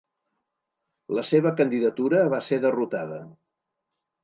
La seva candidatura va ser derrotada.